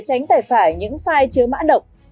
có thể phải những file chứa mã động